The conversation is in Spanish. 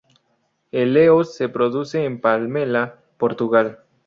El Eos se produce en Palmela, Portugal.